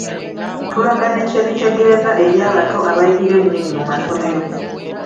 Tulaga ne kye bitegeeza eri abato abayigira ennimi mu masomero.